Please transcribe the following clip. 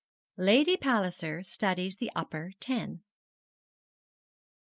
LADY PALLISER STUDIES THE UPPER TEN.